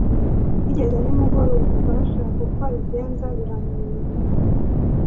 bigeze nimugoroba umugore ashaka uko abigenza biramuyobera!